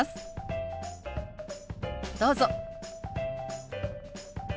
どうぞ。